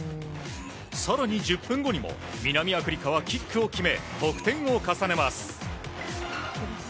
更に１０分後にも南アフリカはキックを決め得点を重ねます。